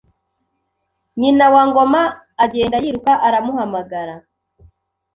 Nyina wa Ngoma agenda yiruka aramuhamagara